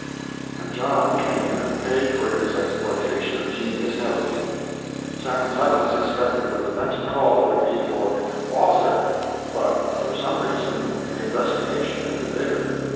And John came, and paid for his exploitation of genius heavily. Sam Clemens expected that the next call would be for "author," but for some reason the investigation ended there.